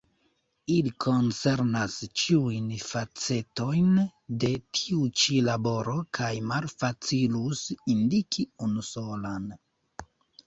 Ili koncernas ĉiujn facetojn de tiu ĉi laboro kaj malfacilus indiki unusolan.